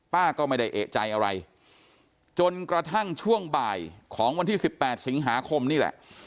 ป้าก็ไม่ได้เอกใจอะไรจนกระทั่งช่วงบ่ายของวันที่๑๘สิงหาคมนี่แหละ